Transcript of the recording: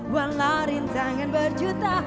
walau rintangan berjuta